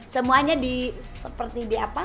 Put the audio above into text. semuanya seperti di apa